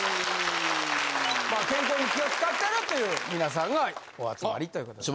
健康に気を使ってるという皆さんがお集まりということで。